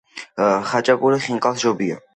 ხაჭაპური ხინკალს ჯობია